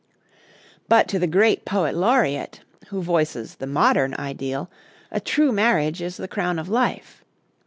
But to the great Poet Laureate, who voices the modern ideal, a true marriage is the crown of life.